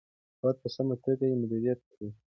باید په سمه توګه یې مدیریت کړو.